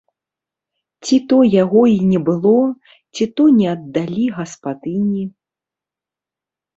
Ці то яго і не было, ці то не аддалі гаспадыні.